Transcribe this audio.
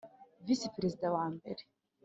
Visi Perezida wa mbere